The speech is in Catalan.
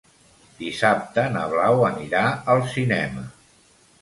Dissabte na Blau anirà al cinema.